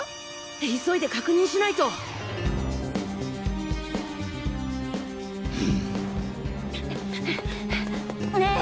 急いで確認しないと。ねぇ！